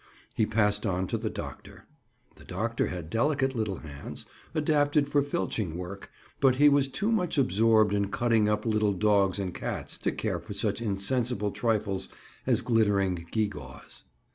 He passed on to the doctor. The doctor had delicate little hands, adapted for filching work, but he was too much absorbed in cutting up little dogs and cats to care for such insensible trifles as glittering gee gaws.